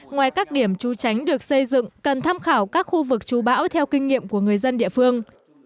ngoài các điểm trú tránh được xây dựng cần tham khảo các khu vực trú bão theo kinh nghiệm của người dân địa phương